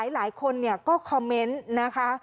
หลายคนก็คอมเมนต์นะคะ